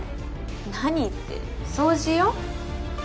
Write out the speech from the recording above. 何って掃除よ。